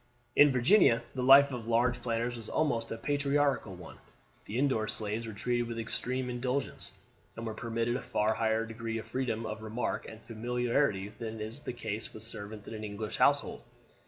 In Virginia the life of the large planters was almost a patriarchal one; the indoor slaves were treated with extreme indulgence, and were permitted a far higher degree of freedom of remark and familiarity than is the case with servants in an English household.